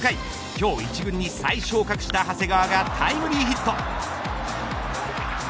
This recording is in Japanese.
今日一軍に再昇格した長谷川がタイムリーヒット。